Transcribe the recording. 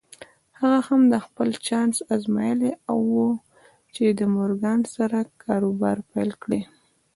هغه هم خپل چانس ازمايلی و چې له مورګان سره کاروبار پيل کړي.